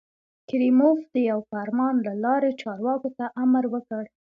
کریموف د یوه فرمان له لارې چارواکو ته امر وکړ.